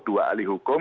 dua ahli hukum